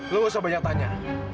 lo gak usah banyak tanya